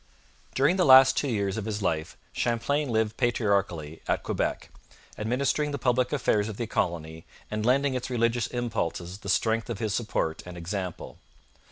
During the last two years of his life Champlain lived patriarchally at Quebec, administering the public affairs of the colony and lending its religious impulses the strength of his support and example.